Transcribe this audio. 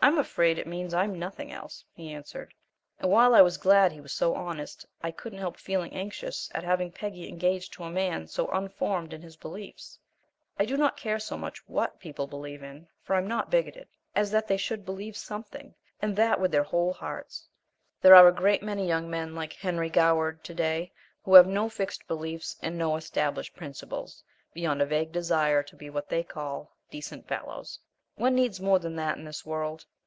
"I'm afraid it means I'm nothing else," he answered; and while I was glad he was so honest, I couldn't help feeling anxious at having Peggy engaged to a man so unformed in his beliefs. I do not care so much WHAT people believe, for I am not bigoted, as that they should believe SOMETHING, and that with their whole hearts. There are a great many young men like Henry Goward, to day, who have no fixed beliefs and no established principles beyond a vague desire to be what they call "decent fellows." One needs more than that in this world.